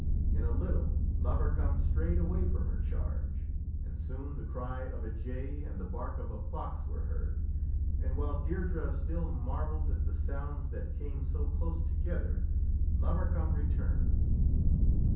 In a little, Lavarcam strayed away from her charge, and soon the cry of a jay and the bark of a fox were heard, and while Deirdrê still marvelled at the sounds that came so close together, Lavarcam returned.